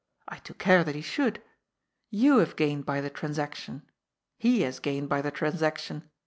I took care that he should. You have gained by the transaction. He has gained by the transaction.